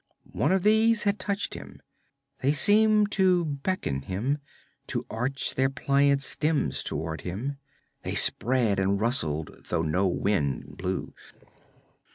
One of these had touched him. They seemed to beckon him, to arch their pliant stems toward him. They spread and rustled, though no wind blew.